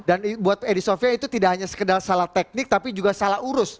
dan buat edi sofia itu tidak hanya sekedar salah teknik tapi juga salah urus